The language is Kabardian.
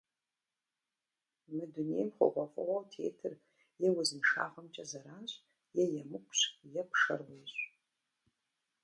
Мы дунейм хъугъуэфӏыгъуэу тетыр е узыншагъэмкӏэ зэранщ, е емыкӏущ, е пшэр уещӏ.